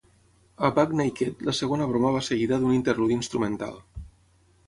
A "Buck Naked", la segona broma va seguida d'un interludi instrumental.